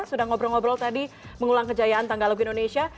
sudah ngobrol ngobrol tadi mengulang kejayaan tanggal lagu indonesia